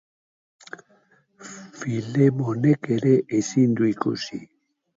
Filemonek ere ezin du ikusi.